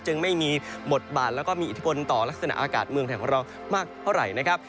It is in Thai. ไม่มีบทบาทแล้วก็มีอิทธิพลต่อลักษณะอากาศเมืองไทยของเรามากเท่าไหร่นะครับ